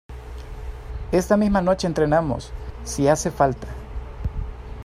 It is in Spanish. esta misma noche entrenamos, si hace falta.